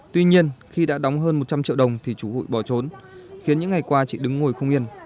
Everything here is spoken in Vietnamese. tuy nhiên khi đã đóng hơn một trăm linh triệu đồng thì chủ hụi bỏ trốn khiến những ngày qua chị đứng ngồi không yên